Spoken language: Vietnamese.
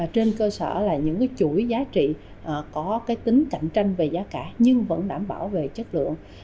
trên cơ sở là những chuỗi giá trị có tính cạnh tranh về giá cả nhưng vẫn đảm bảo về chất lượng